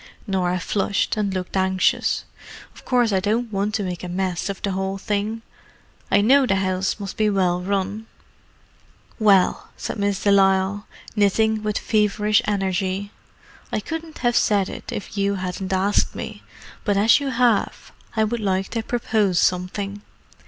Norah flushed, and looked anxious. "Of course I don't want to make a mess of the whole thing. I know the house must be well run." "Well," said Miss de Lisle, knitting with feverish energy, "I couldn't have said it if you hadn't asked me, but as you have, I would like to propose something.